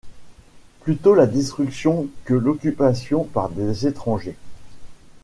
Plutôt la destruction que l’occupation par des étrangers.